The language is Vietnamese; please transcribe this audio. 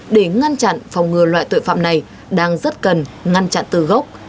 để ngăn chặn phòng ngừa loại tội phạm này đang rất cần ngăn chặn từ gốc